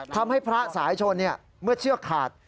ทำให้พระสายชนเมื่อเชือกขาด